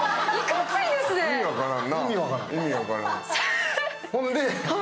意味分からん。